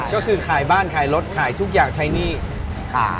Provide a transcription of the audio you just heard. ก็คือขายบ้านขายรถขายทุกอย่างใช้หนี้ค่ะ